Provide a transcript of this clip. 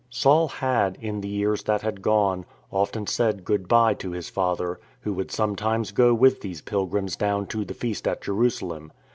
Saul had, in the years that had gone, often said " Good bye " to his father, who would sometimes go with these pilgrims down to the Feast at Jerusalem.